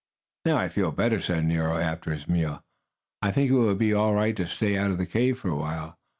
"Now I feel better!" said Nero, after his meal. "I think it will be all right to stay out of the cave for a while.